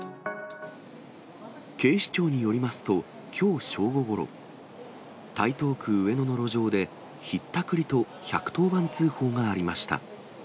警視庁によりますと、きょう正午ごろ、台東区上野の路上で、ひったくりと、１１０番通報がありました。